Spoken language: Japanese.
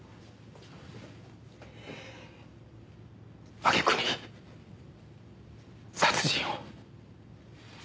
揚げ句に殺人を。